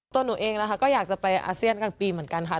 ตัวหนูเองนะคะก็อยากจะไปอาเซียนกลางปีเหมือนกันค่ะ